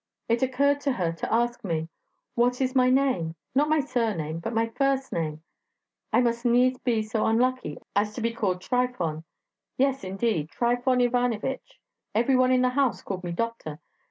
It occurred to her to ask me, what is my name; not my surname, but my first name. I must needs be so unlucky as to be called Trifon. Yes, indeed; Trifon Ivanich. Every one in the house called me doctor.